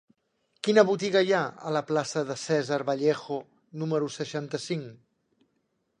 Quina botiga hi ha a la plaça de César Vallejo número seixanta-cinc?